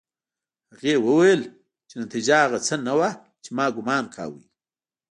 هغې وویل چې نتيجه هغه څه نه وه چې ما ګومان کاوه